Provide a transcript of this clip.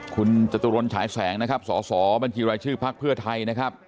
คุณจตุรนฉายแสงสศบัญชีรายชื่อพรรคเพื่อไทยนะครับ